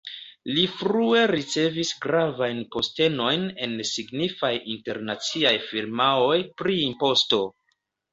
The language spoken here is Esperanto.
Li frue ricevis gravajn postenojn en signifaj internaciaj firmaoj pri imposto.